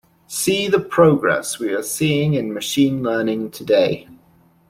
See the progress we are seeing in machine learning today.